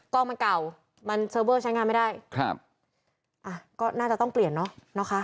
กล้องมันเก่ามันเซอร์เวอร์ใช้งานไม่ได้ครับอ่ะก็น่าจะต้องเปลี่ยนเนอะนะคะ